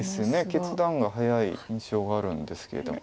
決断が早い印象があるんですけども。